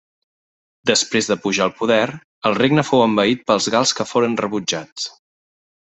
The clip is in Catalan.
Després de pujar al poder el regne fou envaït pels gals que foren rebutjats.